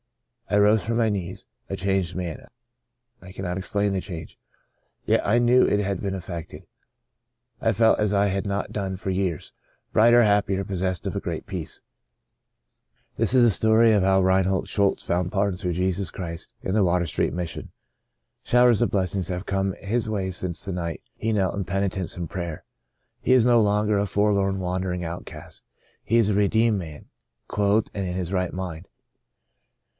" I rose from my knees a changed man. I cannot explain the change. Yet I knew it had been effected. I felt as I had not done for years — brighter, happier, possessed of a great peace." Saved to the Uttermost 193 This is the story of how Reinhold Schultz found pardon through Jesus Christ in the Water Street Mission. Showers of blessings have come his way since the night he knelt in penitence and prayer. He is no longer a forlorn, wandering outcast. He is a redeemed man — clothed and in his right mind.